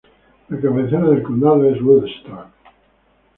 La cabecera del condado es Woodstock.